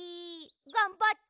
がんばって！